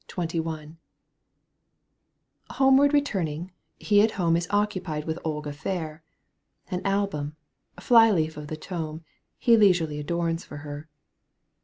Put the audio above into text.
XXL Homewaid returning, he at home Is occupied with Olga fair, An album, fly leaf of the tome, He leisurely adorns for her.